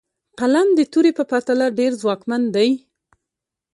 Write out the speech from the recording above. قلم د تورې په پرتله ډېر ځواکمن دی.